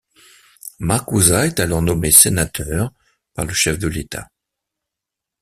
Makuza est alors nommé sénateur par le chef de l'État.